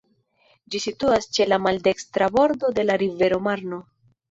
Ĝi situas ĉe la maldekstra bordo de la rivero Marno.